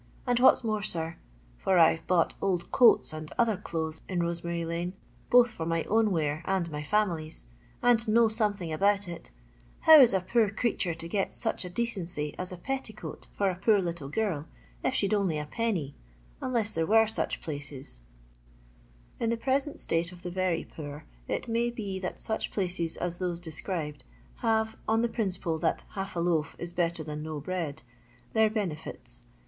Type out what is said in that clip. And what 's more, sir — for I 've bought old coats and other clothes in Rose mary lane, both for my own wear and my fiuniiy's, and know something about it — how is a poor crea ture to get such a decency as a petticoat for a poor little girl, if she 'd only a penny, unless there were such places V In the present state of the very poor, it may be that such places as those described have, on the principle that half a loaf is better than no bread, their benefits.